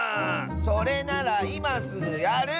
それならいますぐやる！